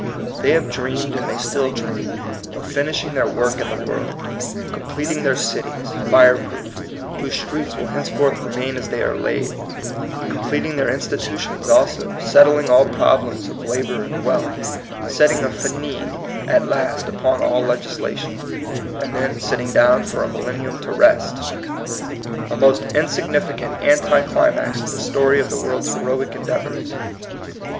They have dreamed, and they still dream, of finish ing their work in the world, completing their cities, fire proof, whose streets will henceforth remain as they are laid, com pleting their institutions also, settling all problems of labor and wealth, setting a fin%% at last upon all legislation, and then sitting down for a millennium to rest, — a most insignificant anti climax to the story of the world's heroic endeavors.